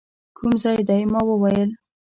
کوم ځای دی؟ ما وویل.